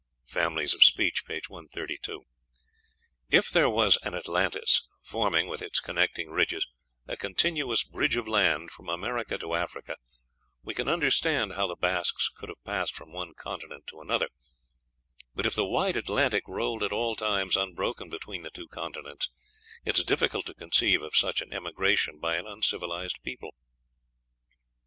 ("Families of Speech," p. 132.) If there was an Atlantis, forming, with its connecting ridges, a continuous bridge of land from America to Africa, we can understand how the Basques could have passed from one continent to another; but if the wide Atlantic rolled at all times unbroken between the two continents, it is difficult to conceive of such an emigration by an uncivilized people.